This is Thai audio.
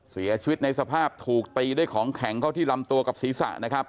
เสียชีวิตในสภาพถูกตีด้วยของแข็งเข้าที่ลำตัวกับศีรษะนะครับ